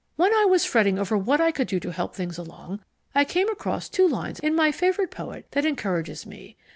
When I was fretting over what I could do to help things along, I came across two lines in my favourite poet that encouraged me.